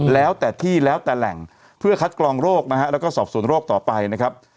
แล้วแต่ที่แล้วแต่แหล่งเพื่อคัดกรองโรคนะฮะแล้วก็สอบสวนโรคต่อไปนะครับ